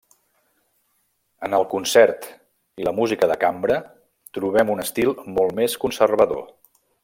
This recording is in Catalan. En el concert i la música de cambra trobem un estil molt més conservador.